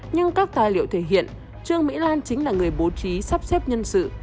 nhưng các tài liệu thể hiện trương mỹ lan chính là người bố trí sắp xếp nhân sự